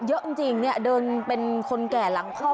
เยอะจริงเดินเป็นคนแก่หลังคร่อม